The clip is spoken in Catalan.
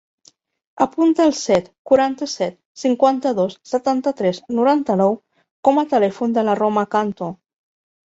Apunta el set, quaranta-set, cinquanta-dos, setanta-tres, noranta-nou com a telèfon de la Roma Canto.